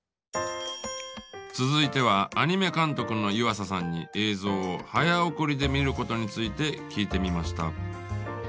続いてはアニメ監督の湯浅さんに映像を早送りで見ることについて聞いてみました。